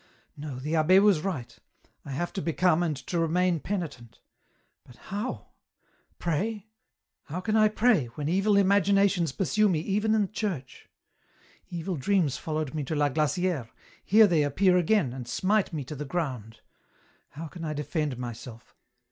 " No, the abbe was right ; I have to become and to remain penitent. But how ? Pray ? How can I pray, when evil imagina tions pursue me even in church ? Evil dreams followed me to La Glacifere ; here they appear again, and smite me to the ground. How can I defend myself?